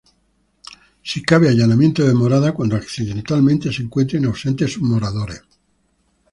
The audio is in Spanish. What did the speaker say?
Sí cabe allanamiento de morada cuando accidentalmente se encuentren ausentes sus moradores.